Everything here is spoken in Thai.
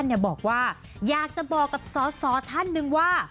เนี่ยบอกว่าอยากจะบอกสอดท่านหนึ่งว่า